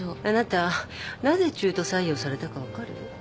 あなたなぜ中途採用されたか分かる？